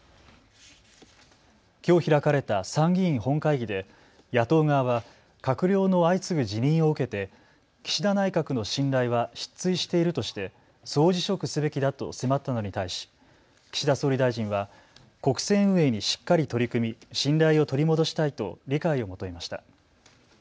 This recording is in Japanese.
きょう開かれた参議院本会議で野党側は閣僚の相次ぐ辞任を受けて岸田内閣の信頼は失墜しているとして総辞職すべきだと迫ったのに対し岸田総理大臣は国政運営にしっかり取り組み、信頼を取り戻したいと理解を求めました。